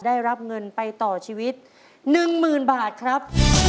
ได้รับเงินไปต่อชีวิต๑๐๐๐บาทครับ